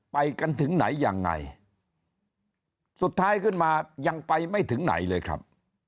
ไปกันถึงไหนยังไงสุดท้ายขึ้นมายังไปไม่ถึงไหนเลยครับ